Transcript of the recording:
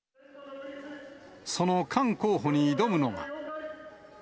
その菅候補に挑むのが。